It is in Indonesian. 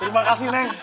terima kasih neng